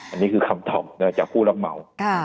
อันนี้คือคำตอบจากผู้รับเหมา